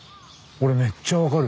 俺めっちゃ分かる。